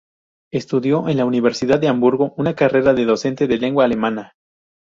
Estudio en la Universidad de Hamburgo una carrera de docente de lengua alemana.